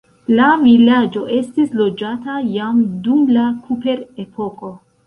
La vilaĝo estis loĝata jam dum la kuprepoko.